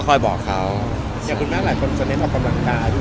ที่มีเท่าที่ต่างประกอบแล้ว